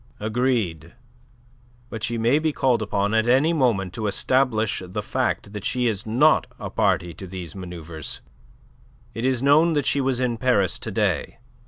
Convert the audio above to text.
"Agreed. But she may be called upon at any moment to establish the fact that she is not a party to these manoeuvres. It is known that she was in Paris to day.